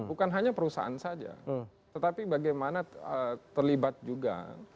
bukan hanya perusahaan saja tetapi bagaimana terlibat juga